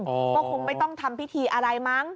ก็คงไม่ต้องทำพิธีอะไรมั้ง